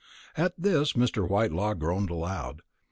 At this Mr. Whitelaw groaned aloud.